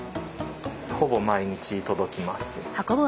ほぼ毎日届きます。